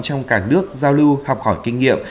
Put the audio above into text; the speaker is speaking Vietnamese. trong cảng nước giao lưu học hỏi kinh nghiệm